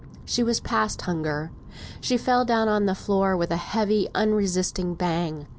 She was past hunger. She fell down on the floor with a heavy unresisting bang.